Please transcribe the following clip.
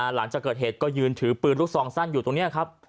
หลังจากเกิดเหตุก็ยืนถือปืนลูกซองสั้นอยู่ตรงนี้ครับ